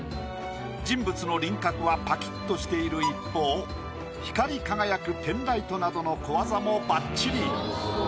人物の輪郭はパキっとしている一方光り輝くペンライトなどの小技もバッチリ。